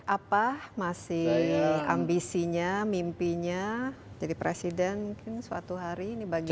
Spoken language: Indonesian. apa masih ambisinya mimpinya jadi presiden mungkin suatu hari ini bagaimana